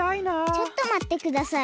ちょっとまってください。